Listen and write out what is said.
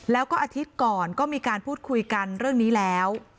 แล้วก็อาทิตย์ก่อนก็มีการพูดคุยกันเรื่องนี้แล้ว